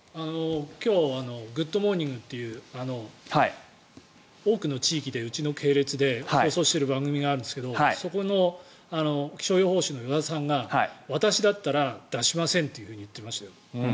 今日「グッド！モーニング」という多くの地域でうちの系列で放送している番組があるんですけどそこの気象予報士の依田さんが私だったら出しませんと言っていましたよ。